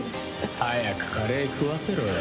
早くカレー食わせろよ。